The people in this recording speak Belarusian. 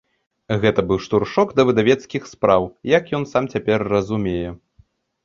Гэта быў штуршок да выдавецкіх спраў, як ён сам цяпер разумее.